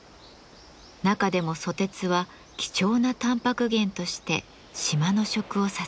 中でもソテツは貴重なタンパク源として島の食を支えてきました。